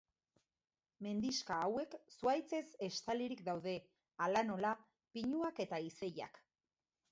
Mendixka hauek zuhaitzez estalirik daude, hala nola, pinuak eta izeiak.